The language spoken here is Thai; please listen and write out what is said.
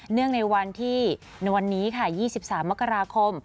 เนื่องในวันที่วันนี้ค่ะ๒๓มกราคม